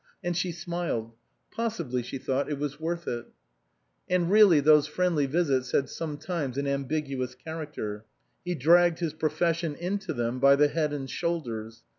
And she smiled ; possi bly she thought it was worth it. And really those friendly visits had sometimes an ambiguous character ; he dragged his profes sion into them by the head and shoulders.